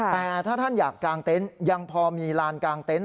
แต่ถ้าท่านอยากกางเต็นต์ยังพอมีลานกลางเต็นต